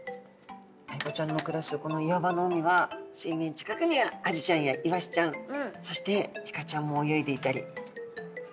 アイゴちゃんの暮らすこの岩場の海は水面近くにはアジちゃんやイワシちゃんそしてイカちゃんも泳いでいたり。